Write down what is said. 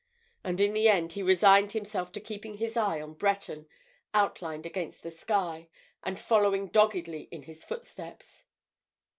And in the end he resigned himself to keeping his eye on Breton, outlined against the sky, and following doggedly in his footsteps.